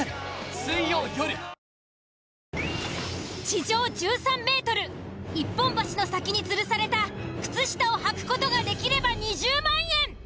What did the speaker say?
地上１３ｍ一本橋の先につるされた靴下を履く事ができれば２０万円。